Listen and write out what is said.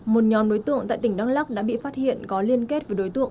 một nhóm đối tượng tại tỉnh đắk lắc đã bị phát hiện có liên kết với đối tượng